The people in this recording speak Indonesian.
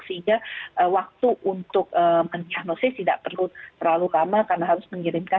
artinya waktu untuk menginjah nosis tidak perlu terlalu lama karena harus mengirimkan